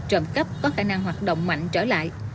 trộm cắp có khả năng hoạt động mạnh trở lại